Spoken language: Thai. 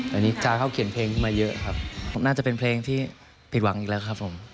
แต่นิจาเขาเขียนเพลงขึ้นมาเยอะครับน่าจะเป็นเพลงที่ผิดหวังอีกแล้วครับผม